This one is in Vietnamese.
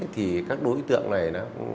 thì các đối tượng này